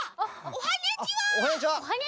おはにゃちは。